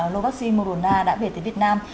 lô vaccine moderna đã về tới việt nam